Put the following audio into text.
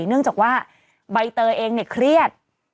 เนื่องจากว่าใบเตยเองเนี่ยเครียด